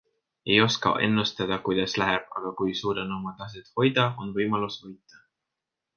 Ei oska ennustada kuidas läheb, aga kui suudan oma taset hoida, on võimalus võita.